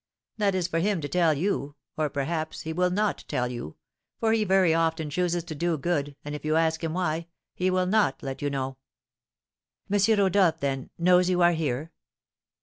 "That is for him to tell you, or, perhaps, he will not tell you, for he very often chooses to do good, and if you ask him why, he will not let you know." "M. Rodolph, then, knows you are here?"